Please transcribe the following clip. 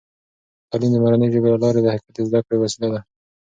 تعلیم د مورنۍ ژبې له لارې د حقیقت د زده کړې وسیله ده.